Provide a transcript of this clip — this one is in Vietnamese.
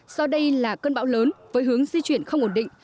do đây là cơn bão lớn với hướng di chuyển không ổn định